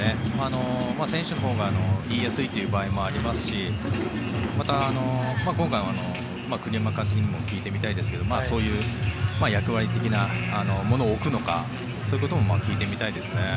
選手のほうが言いやすいという場合もありますしまた今回、栗山監督にも聞いてみたいですがそういう役割的なものを置くのかそういうことも聞いてみたいですね。